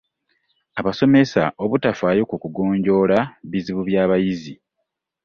Abasomesa obutafaayo ku kugonjoola bizibu by’abayizi.